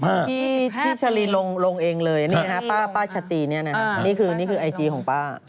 ๒๕ปีพี่ชาลีลงเองเลยนี่นะครับป้าชะตีนี่นะครับนี่คือไอจีของป้า